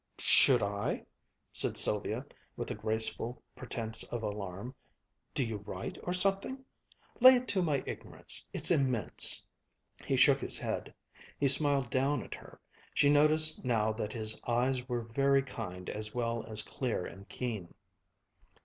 "Should I?" said Sylvia, with a graceful pretense of alarm. "Do you write, or something? Lay it to my ignorance. It's immense." He shook his head. He smiled down on her. She noticed now that his eyes were very kind as well as clear and keen.